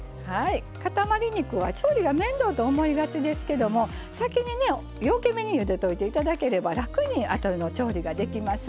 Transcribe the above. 塊肉は調理が面倒と思いがちですけども先にねようけめにゆでといて頂ければ楽にあとの調理ができます。